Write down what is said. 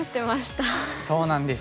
そうなんです。